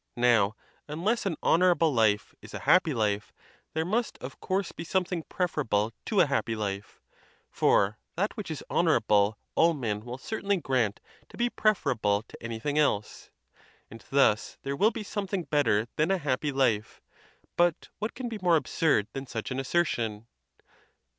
Now, unless an honorable life is a happy life, there must, of course, be something preferable to a happy life; for that which is honorable all men will certainly grant to be preferable to anything else. And thus there will be something better than a happy life: but what can be more absurd than such an assertion